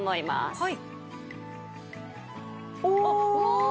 はい。